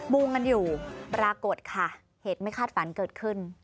วงกันอยู่ปรากฏค่ะเหตุไม่คาดฝันเกิดขึ้น